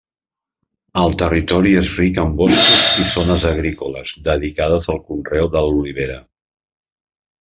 El territori és ric en boscos i zones agrícoles dedicades al conreu de l'olivera.